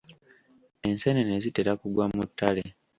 Enseenene zitera kugwa mu ttale.